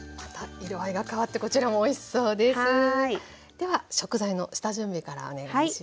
では食材の下準備からお願いします。